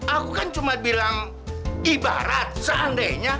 aku kan cuma bilang ibarat seandainya